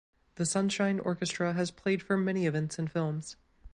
The Sunshine Orchestra has played for many events and films.